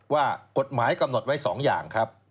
ว่ากฎหมายกำหนดไว้๒อย่างครับ